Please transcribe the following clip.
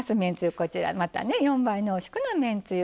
またね４倍濃縮のめんつゆ。